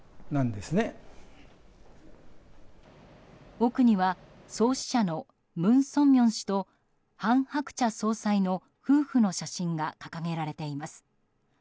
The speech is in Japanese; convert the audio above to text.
奥には、創始者の文鮮明氏と韓鶴子総裁の夫婦の写真が掲げられています。